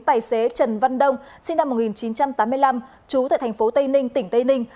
tài xế trần văn đông sinh năm một nghìn chín trăm tám mươi năm trú tại thành phố tây ninh tỉnh tây ninh